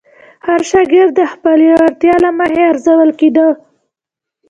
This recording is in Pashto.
هر شاګرد د خپلې وړتیا له مخې ارزول کېده.